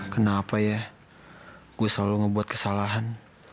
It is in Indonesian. kenapa ya gue selalu ngebuat kesalahan